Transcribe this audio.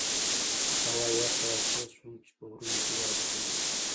هوا یخه وه او پوه شوم چې په غرونو کې واوره وورې.